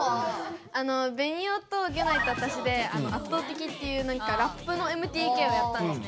あのベニオとギュナイとわたしで「圧倒的」っていうラップのＭＴＫをやったんですね。